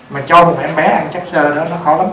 mà cho một em bé ăn chắc sơ đó nó khó lắm